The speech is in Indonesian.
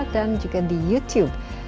dan juga di youtube